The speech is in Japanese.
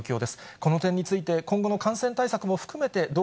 この点について、今後の感染対策